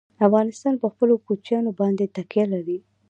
افغانستان په خپلو کوچیانو باندې تکیه لري.